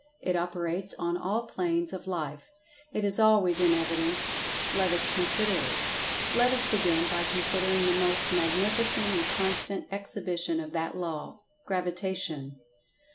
It operates on all planes of life. It is always in evidence. Let us consider it. Let us begin by considering the most mag[Pg 136]nificent and constant exhibition of that Law—Gravitation.